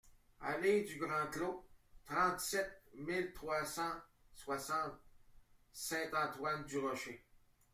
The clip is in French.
Allée du Grand Clos, trente-sept mille trois cent soixante Saint-Antoine-du-Rocher